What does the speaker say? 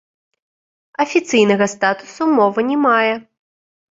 Афіцыйнага статусу мова не мае.